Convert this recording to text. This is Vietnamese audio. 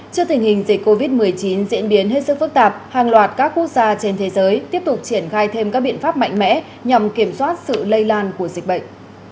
trước tình hình dịch covid một mươi chín diễn biến hết sức phức tạp hàng loạt các quốc gia trên thế giới tiếp tục triển khai thêm các biện pháp mạnh mẽ nhằm kiểm soát sự lây lan của dịch bệnh